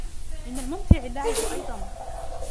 من الممتع اللعب أيضًا.